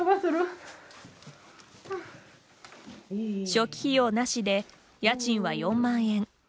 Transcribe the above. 初期費用なしで、家賃は４万円。